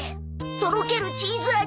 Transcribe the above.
とろけるチーズ味